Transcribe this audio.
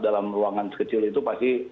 dalam ruangan sekecil itu pasti